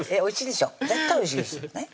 絶対おいしいですよね